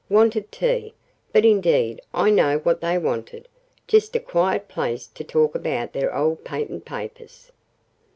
Wanted 'tea'; but indeed I know what they wanted just a quiet place to talk about their old patent papers."